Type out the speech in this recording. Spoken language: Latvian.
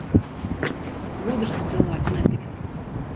Gudrs tu cilvēks netiksi.